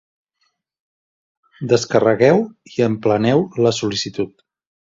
Descarregueu i empleneu la sol·licitud.